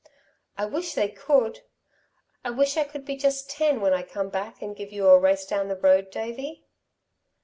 I wish they could! I wish I could be just ten when I come back and give you a race down the road, Davey."